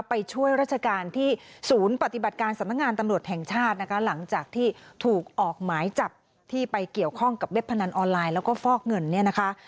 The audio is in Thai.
ไปช่วยราชการที่ศูนย์ปฏิบัติการสำนักงานตำรวจแห่งชาตินะคะหลังจากที่ถูกออกหมายจับที่ไปเกี่ยวข้องกับเว็บพนันออนไลน์แล้วก็ฟอกเงินเนี่ยนะคะ